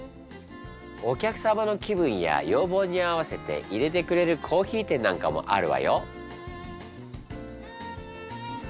お客様の気分や要望に合わせていれてくれるコーヒー店なんかもあるわよ。